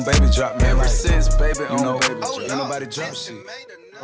terima kasih udah nonton